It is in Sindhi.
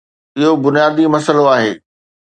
اهو بنيادي مسئلو آهي